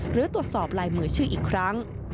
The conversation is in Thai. หรือตรวจสอบลายมือชื่ออีกครั้ง